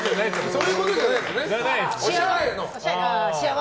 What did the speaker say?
そういうことじゃないですよね。